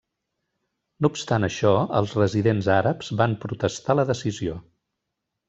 No obstant això, els residents àrabs van protestar la decisió.